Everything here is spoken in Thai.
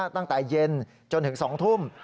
ตั้งแต่เย็นจนถึง๒ทุ่ม